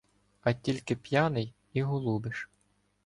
А тільки п'яний і голубиш.